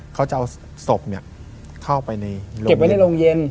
เขาจะเอาศพเข้าไปในโรงเก็บไว้ในโรงเย็น